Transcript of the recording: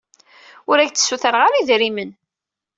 Ur ak-d-ssutreɣ ara idrimen.